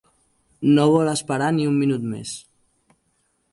No vol esperar ni un minut més.